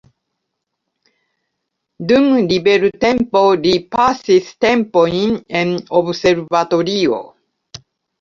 Dum libertempo li pasis tempojn en observatorio.